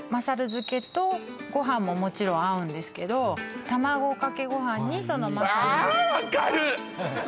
漬けとご飯ももちろん合うんですけど卵かけご飯にそのまさる漬けああ分かる！